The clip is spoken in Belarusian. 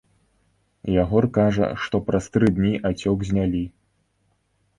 Ягор кажа, што праз тры дні ацёк знялі.